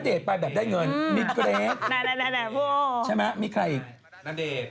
ไปแบบได้เงินมีเกรทใช่ไหมมีใครอีกณเดชน์